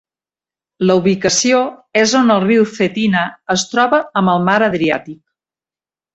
La ubicació és on el riu Cetina es troba amb el mar Adriàtic.